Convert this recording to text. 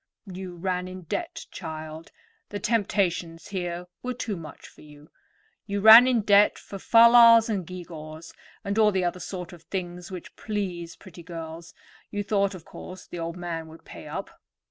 "You ran in debt, child; the temptations here were too much for you. You ran in debt for fal lals and gew gaws, and all the other sort of things which please pretty girls; you thought, of course, the old man would pay up.